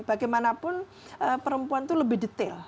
bagaimanapun perempuan itu lebih detail